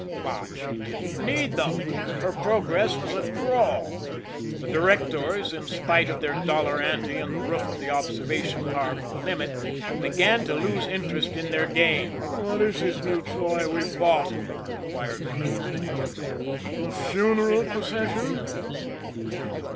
But she didn't need them. Her progress was a crawl. The directors, in spite of their dollar ante and the roof of the observation car for the limit, began to lose interest in their game. "What is this new toy we've bought?" inquired one of them plaintively. "A funeral procession?"